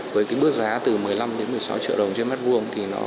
với bước giá từ một mươi năm một mươi sáu triệu đồng trên mét vuông